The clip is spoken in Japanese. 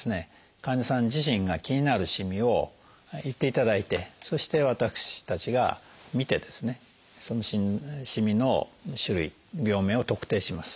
患者さん自身が気になるしみを言っていただいてそして私たちが診てですねそのしみの種類病名を特定します。